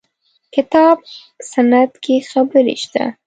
کتاب سنت کې خبرې شته.